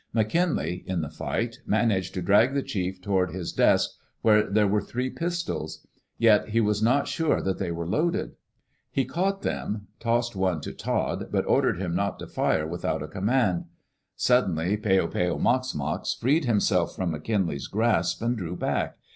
Mc Kinlay, in the fight, managed to drag the chief toward his desk where there were three pistols; yet he was not sure Digitized by CjOOQ IC DANGER AT FORT WALLA WALLA that they were loaded. He caught them, tossed one to Todd, but ordered him not to fire widiout a command. Suddenly Peo peo mox mox freed himself from Mc Kinlay's grasp and drew back.